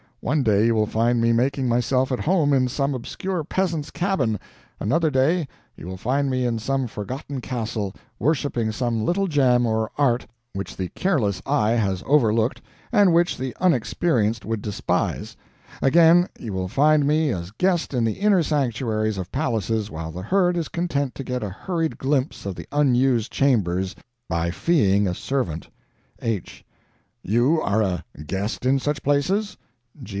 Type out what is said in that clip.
One day you will find me making myself at home in some obscure peasant's cabin, another day you will find me in some forgotten castle worshiping some little gem or art which the careless eye has overlooked and which the unexperienced would despise; again you will find me as guest in the inner sanctuaries of palaces while the herd is content to get a hurried glimpse of the unused chambers by feeing a servant. H. You are a GUEST in such places?